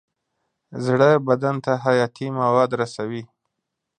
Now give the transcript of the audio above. زړه بدن ته حیاتي مواد رسوي.